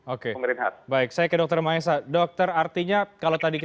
oke baik saya ke dr maesa dokter artinya kalau tadi